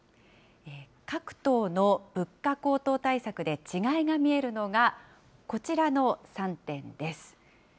各党の物価高騰対策で違いが見えるのが、こちらの３点です。